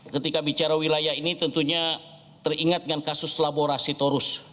ketika bicara wilayah ini tentunya teringat dengan kasus laborasi torus